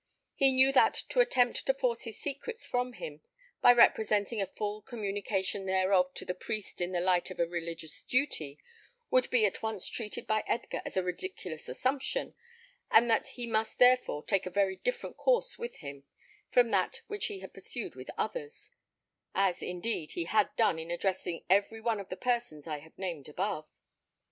He knew that to attempt to force his secrets from him, by representing a full communication thereof to the priest in the light of a religious duty, would be at once treated by Edgar as a ridiculous assumption, and that he must therefore take a very different course with him from that which he had pursued with others; as, indeed, he had done in addressing every one of the persons I have named above.